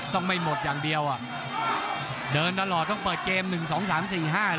ต้องไม่หมดอย่างเดียวเดินตลอดต้องเปิดเกม๑๒๓๔๕เลย